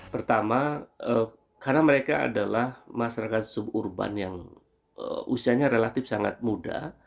pertama karena mereka adalah masyarakat suburban yang usianya relatif sangat muda